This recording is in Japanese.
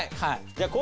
じゃあ昴